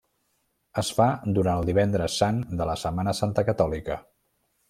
Es fa durant el Divendres Sant de la Setmana Santa catòlica.